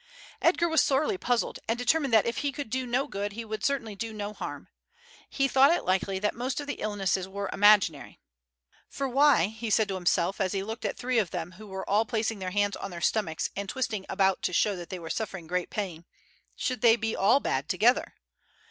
Edgar was sorely puzzled, and determined that if he could do no good he would certainly do no harm. He thought it likely that most of the illnesses were imaginary, "For why," he said to himself as he looked at three of them who were all placing their hands on their stomachs and twisting about to show that they were suffering great pain, "should they be all bad together?"